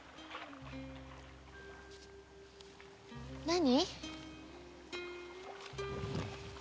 何？